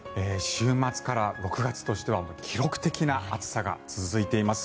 週末から６月としては記録的な暑さが続いています。